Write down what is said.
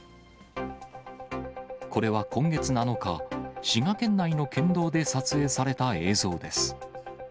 これは今月７日、滋賀県内の県道で撮影された映像です。